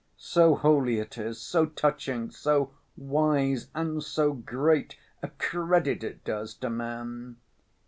So holy it is, so touching, so wise and so great a credit it does to man.